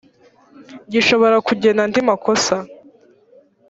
gishobora kugena andi makosa